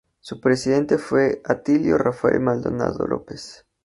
Su presidente fue Atilio Rafael Maldonado López.